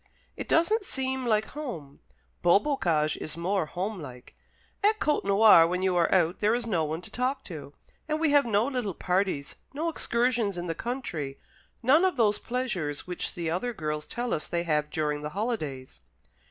It doesn't seem like home. Beaubocage is more home like. At Côtenoir, when you are out, there is no one to talk to; and we have no little parties, no excursions into the country, none of those pleasures which the other girls tell us they have during the holidays."